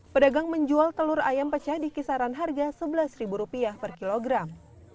pedagang menjual telur ayam pecah di kisaran harga rp sebelas per kilogram